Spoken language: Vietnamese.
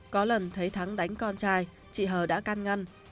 có lần thấy thắng đánh con trai chị hờ đã can ngăn